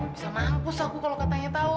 bisa mampus aku kalau katanya tau